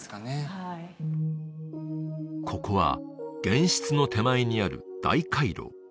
はいここは玄室の手前にある大回廊